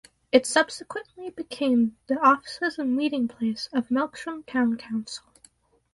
It subsequently became the offices and meeting place of Melksham Town Council.